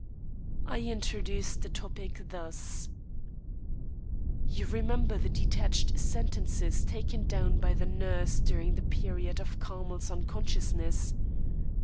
I introduced the topic thus: "You remember the detached sentences taken down by the nurse during the period of Carmel's unconsciousness.